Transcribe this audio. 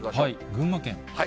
群馬県。